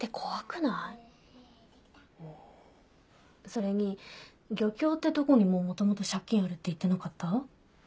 それに漁協ってとこにも元々借金あるって言ってなかった？